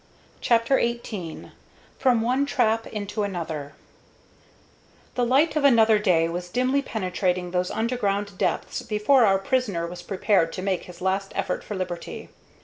CHAPTER XVIII FROM ONE TRAP INTO ANOTHER The light of another day was dimly penetrating those underground depths before our prisoner was prepared to make his last effort for liberty.